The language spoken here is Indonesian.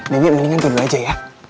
bibi mendingan tidur aja ya